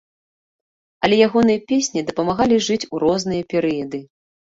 Але ягоныя песні дапамагалі жыць у розныя перыяды.